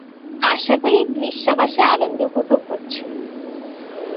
আশাকরি গ্রীষ্মাবাসে আনন্দ উপভোগ করছ।